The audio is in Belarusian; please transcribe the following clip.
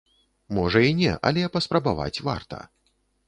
Можа і не, але паспрабаваць варта.